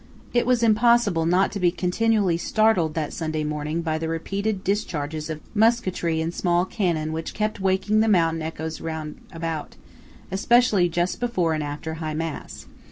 It was impossible not to be continually startled that Sunday morning by the repeated discharges of musketry and small cannon which kept waking the mountain echoes round about, especially just before and after high mass.